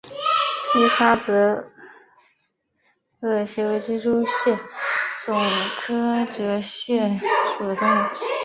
西沙折额蟹为蜘蛛蟹总科折额蟹属的动物。